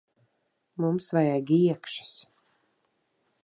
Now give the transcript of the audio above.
Mums vajag iekšas.